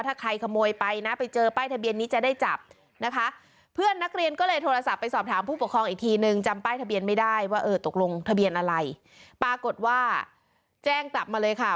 ปรากฏว่าแจ้งตับมาเลยครับ